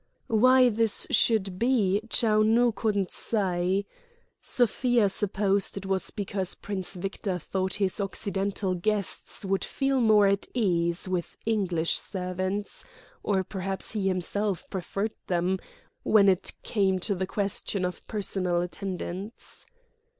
Why this should be Chou Nu couldn't say. Sofia supposed it was because Prince Victor thought his Occidental guests would feel more at ease with English servants; or perhaps he himself preferred them, when it came to the question of personal attendance.